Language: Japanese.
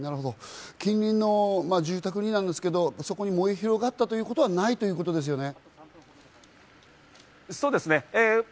近隣の住宅なんですけど、燃え広がったということはないということですね。